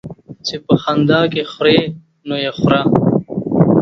چي په خندا کې خورې ، نو يې خوره.